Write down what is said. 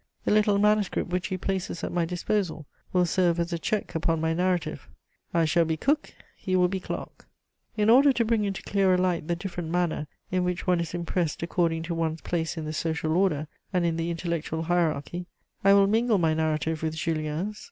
The little manuscript which he places at my disposal will serve as a check upon my narrative: I shall be Cook, he will be Clarke. In order to bring into clearer light the different manner in which one is impressed according to one's place in the social order and in the intellectual hierarchy, I will mingle my narrative with Julien's.